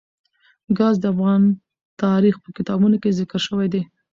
ګاز د افغان تاریخ په کتابونو کې ذکر شوی دي.